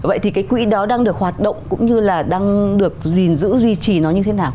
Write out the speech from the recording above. vậy thì cái quỹ đó đang được hoạt động cũng như là đang được gìn giữ duy trì nó như thế nào